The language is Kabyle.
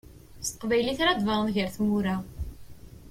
S teqbaylit ara d-baneḍ gar tmura.